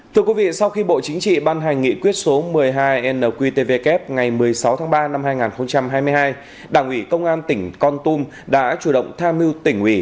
thưa quý vị sau khi bộ chính trị ban hành nghị quyết số một mươi hai nqtvk ngày một mươi sáu tháng ba năm hai nghìn hai mươi hai đảng ủy công an tỉnh con tum đã chủ động tham mưu tỉnh ủy